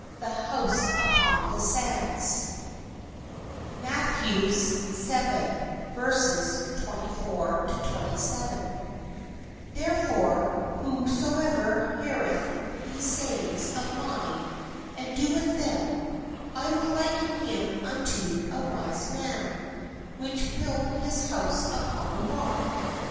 THE HOUSE UPON THE SANDS THE HOUSE UPON THE SANDS HEREFORE, soever heareth these sayings of mine, and doeth them, I will liken him unto a wise man, which built his house upon a rock.